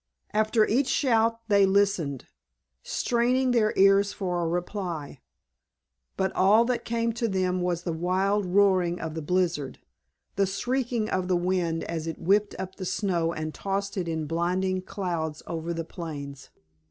After each shout they listened, straining their ears for a reply. But all that came to them was the wild roaring of the blizzard, the shrieking of the wind as it whipped up the snow and tossed it in blinding clouds over the plains.